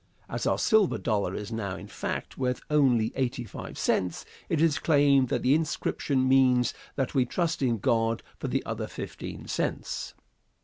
As our silver dollar is now, in fact, worth only eighty five cents, it is claimed that the inscription means that we trust in God for the other fifteen cents.